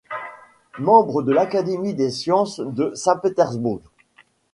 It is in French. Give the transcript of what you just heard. Membre de l'Académie des sciences de Saint-Pétersbourg.